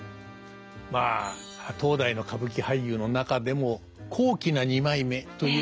まあ当代の歌舞伎俳優の中でも高貴な二枚目といえばですね